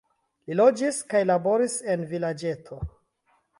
Li loĝis kaj laboris en vilaĝeto.